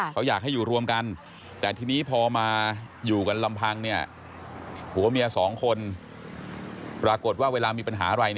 เขาอยากให้อยู่รวมกันแต่ทีนี้พอมาอยู่กันลำพังผัวเมียสองคนปรากฏว่าเวลามีปัญหาอะไร